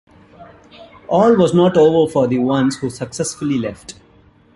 All was not over for the ones who successfully left.